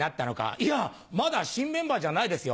いや、まだ新メンバーじゃないですよ。